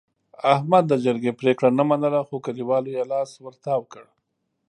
احمد د جرګې پرېګړه نه منله، خو کلیوالو یې لاس ورتاو کړ.